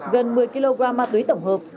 gần một mươi kg ma túy tổng hợp